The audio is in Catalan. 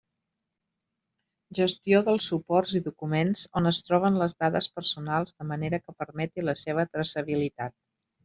Gestió dels suports i documents on es troben les dades personals de manera que permeti la seva traçabilitat.